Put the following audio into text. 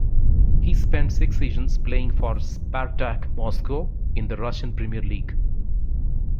He spent six seasons playing for Spartak Moscow in the Russian Premier League.